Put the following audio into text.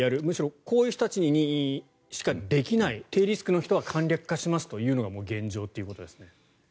むしろこういう人たちにしかできない低リスクの人は簡略化しますというのが現状だということです。